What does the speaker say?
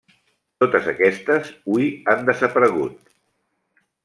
Totes aquestes hui han desaparegut.